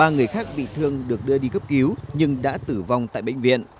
ba người khác bị thương được đưa đi cấp cứu nhưng đã tử vong tại bệnh viện